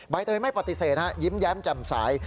ใบเตยไม่ปฏิเสธฮะยิ้มแย้มจำสาย